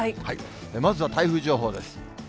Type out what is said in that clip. まずは台風情報です。